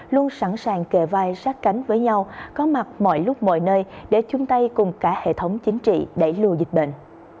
luôn sẵn sàng kề vai sát cánh với nhau có mặt mọi lúc mọi nơi để chung tay cùng cả hệ thống chính trị đẩy lùi dịch bệnh